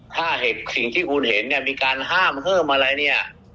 ถ้าสิ่งที่คุณเห็นเนี่ยมีการห้ามเพิ่มอะไรเนี่ย